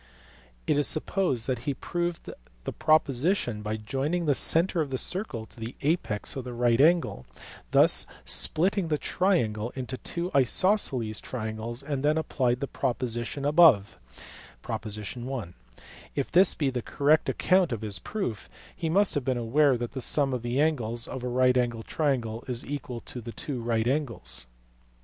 It is supposed that he proved the proposition by joining the centre of the circle to the apex of the right angle, thus splitting the triangle into two isosceles triangles, and then applied the proposition (i) above: if this be the correct account of his proof, he must have been aware that the sum of the angles of a right angled triangle is equal to two right angles.